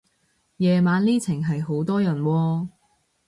夜晚呢程係好多人喎